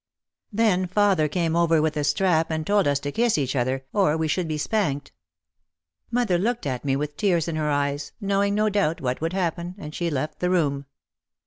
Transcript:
Then father came over with a strap and told us to kiss each other or we should be spanked. Mother looked at me with tears in her eyes, knowing, no doubt, what would happen, and she left the room.